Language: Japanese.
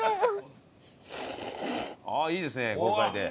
ああいいですね豪快で。